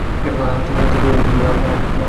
হ্যাঁ, তবে আমার কাছে চাবি নেই।